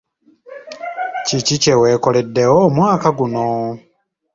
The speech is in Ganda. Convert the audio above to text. Kiki kye weekoleddewo omwaka guno?